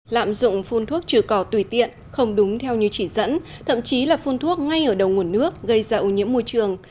lạm dụng phun thuốc trừ cỏ tùy tiện không đúng theo như chỉ dẫn thậm chí là phun thuốc ngay ở đầu nguồn nước gây ra ô nhiễm môi trường